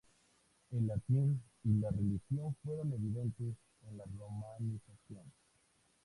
El latín y la religión fueron evidentes en la romanización.